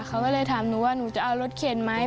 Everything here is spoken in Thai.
เขาก็เลยถามหนูว่าหนูจะเอารถเข็นไหม